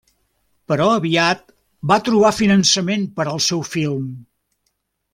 Però aviat va trobar finançament per al seu film.